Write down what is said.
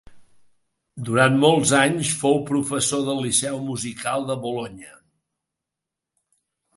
Durant molts anys fou professor del Liceu Musical de Bolonya.